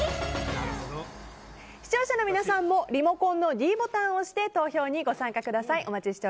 視聴者の皆さんもリモコンのｄボタンを押して投票にご参加ください。